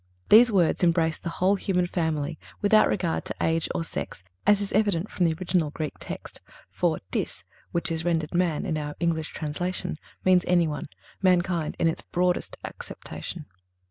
(337) These words embrace the whole human family, without regard to age or sex, as is evident from the original Greek text, for τις, which is rendered man in our English translation, means any one—mankind in its broadest acceptation.